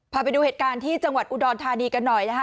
พาไปดูเหตุการณ์ที่จังหวัดอุดรธานีกันหน่อยนะคะ